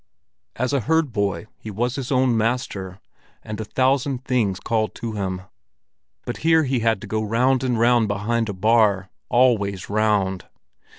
As a herd boy he was his own master, and a thousand things called to him; but here he had to go round and round behind a bar, always round.